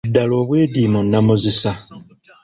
Ddala obwediimo nnamuzisa.